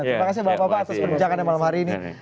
terima kasih bapak bapak atas perbincangannya malam hari ini